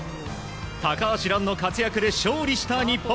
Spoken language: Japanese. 高橋藍の活躍で勝利した日本。